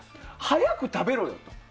早く食べろよと。